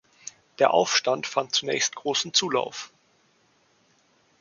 Der Aufstand fand zunächst großen Zulauf.